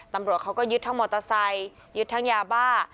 ตำรวจเขาก็ยึดทั้งมอเตอร์ไซค์ยึดทั้งยาบ้า